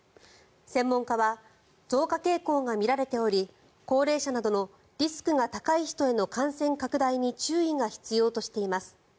専門家は増加傾向が見られており高齢者などのリスクが高い人への感染拡大に注意が必要としています。